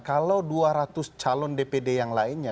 kalau dua ratus calon dpd yang lainnya